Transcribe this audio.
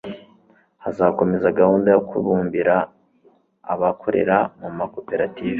hazakomeza gahunda yo kubumbira abakorera mu makoperative